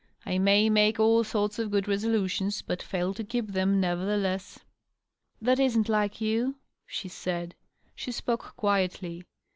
I may make all sorts of good resolutions, but fail to keep them, nevertheless." "That isn't like you," she said. She spoke quietly.